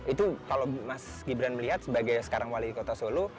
itu kalau mas gibran melihat sebagai sekarang wali kota solo